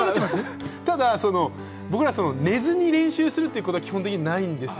僕らは寝ずに練習するっていうことは基本的にないんですよ。